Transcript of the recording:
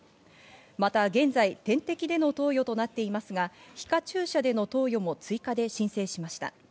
また現在、点滴での投与となっていますが、皮下注射での投与も追加で申請しました。